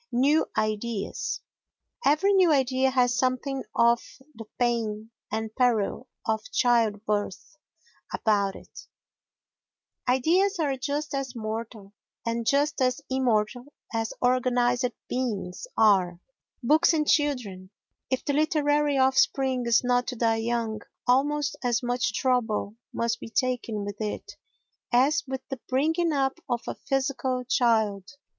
New Ideas Every new idea has something of the pain and peril of childbirth about it; ideas are just as mortal and just as immortal as organised beings are. Books and Children If the literary offspring is not to die young, almost as much trouble must be taken with it as with the bringing up of a physical child.